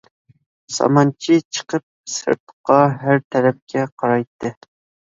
سامانچى چىقىپ سىرتقا، ھەر تەرەپكە قارايتتى.